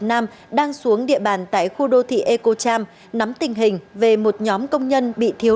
nam đang xuống địa bàn tại khu đô thị ecocham nắm tình hình về một nhóm công nhân bị thiếu